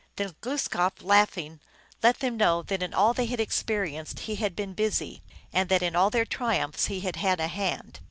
Then Glooskap, laughing, let them know that in all they had experienced he had been busy, and that in all their triumphs he had had a hand.